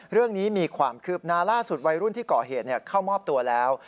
เรื่องนี้มีความคืบหน้าล่าสุดวัยรุ่นที่ก่อเหตุเข้ามอบตัวแล้ว